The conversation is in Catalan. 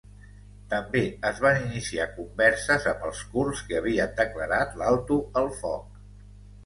També es van iniciar converses amb els kurds que havien declarat l'alto el foc.